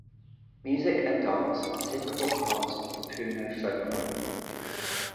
Music and dance are typical parts of the Puno folklore.